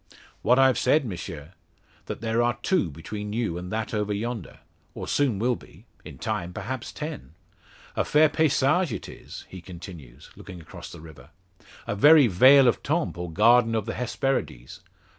"What I've said, M'sieu; that there are two between you and that over yonder, or soon will be in time perhaps ten. A fair paysage it is!" he continues, looking across the river; "a very vale of Tempe, or Garden of the Hesperides.